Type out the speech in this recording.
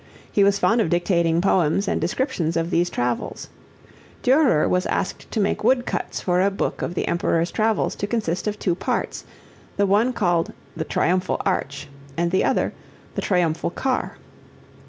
He was fond of dictating poems and descriptions of these travels. Durer was asked to make wood cuts for a book of the Emperor's travels to consist of two parts, the one called The Triumphal Arch and the other The Triumphal Car.